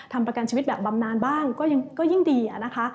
ทำประกันชีวิตแบบบำนานบ้างก็ยิ่งดีอะนะคะ